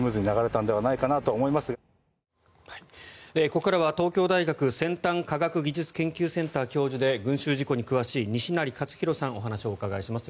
ここからは、東京大学先端科学技術研究センター教授で群衆事故に詳しい西成活裕さんにお話をお伺いします。